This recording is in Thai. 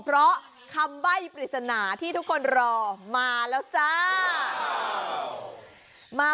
เพราะคำใบ้ปริศนาที่ทุกคนรอมาแล้วจ้า